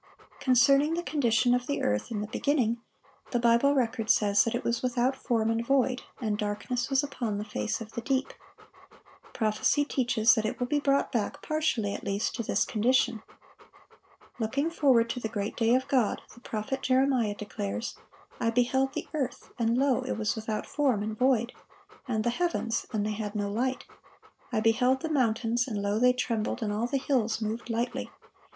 Concerning the condition of the earth "in the beginning," the Bible record says that it "was without form, and void; and darkness was upon the face of the deep."(1144) Prophecy teaches that it will be brought back, partially at least, to this condition. Looking forward to the great day of God, the prophet Jeremiah declares: "I beheld the earth, and, lo, it was without form, and void; and the heavens, and they had no light. I beheld the mountains, and, lo, they trembled, and all the hills moved lightly.